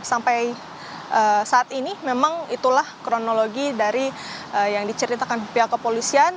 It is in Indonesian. sampai saat ini memang itulah kronologi dari yang diceritakan pihak kepolisian